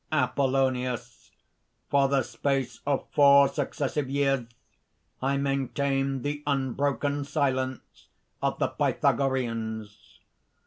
APOLLONIUS. "For the space of four successive years I maintained the unbroken silence of the Pythagoreans.